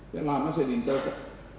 saya lama saya di intel kok